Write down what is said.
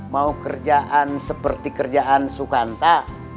mau kerjaan seperti kerjaan sukanta